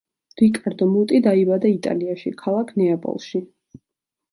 რიკარდო მუტი დაიბადა იტალიაში, ქალაქ ნეაპოლში.